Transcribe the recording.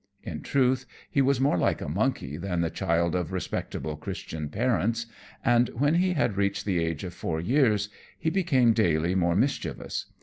In truth he was more like a monkey than the child of respectable Christian parents, and when he had reached the age of four years he became daily more mischievous.